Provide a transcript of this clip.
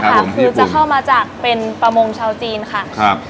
ค่ะคือจะเข้ามาจากเป็นประมงชาวจีนค่ะครับ